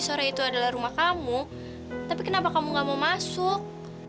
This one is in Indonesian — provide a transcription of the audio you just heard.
sore itu adalah rumah kamu tapi kenapa kamu gak mau masuk